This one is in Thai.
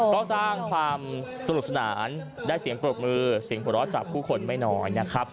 ก็สร้างความสนุกสนานได้เสียงปรบมือเสียงหัวเราะจากผู้คนไม่น้อยนะครับ